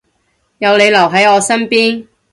有你留喺我身邊